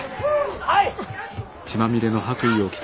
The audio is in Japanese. はい！